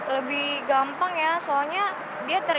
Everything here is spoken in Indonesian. lebih gampang ya soalnya dia terik